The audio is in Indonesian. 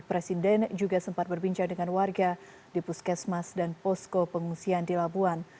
presiden juga sempat berbincang dengan warga di puskesmas dan posko pengungsian di labuan